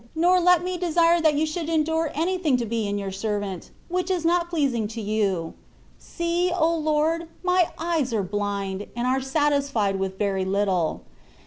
nor let me desire that You should endure anything to be in your servant, which is not pleasing to you. See, O Lord ! my eyes are bUnd, and are satisfied with very little.